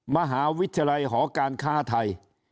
มหาวิทยาลัยหอการค้าไทย